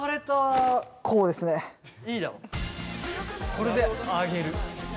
これであげる。